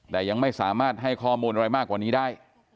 แต่ยังไม่สามารถให้ข้อมูลอะไรมากกว่านี้ได้